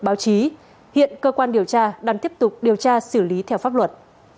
báo chí hiện cơ quan điều tra đang tiếp tục điều tra xử lý theo pháp luật